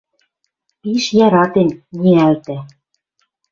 Пиш яратен ниӓлтӓ.